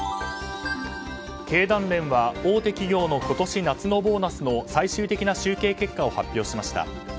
経団連は大手企業の今年夏のボーナスの最終的な集計結果を発表しました。